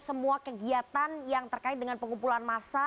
semua kegiatan yang terkait dengan pengumpulan massa